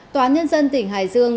tòa nhân dân tỉnh hải dương